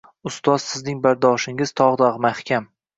Ustoz, sizning bardoshingiz tog‘day mahkam.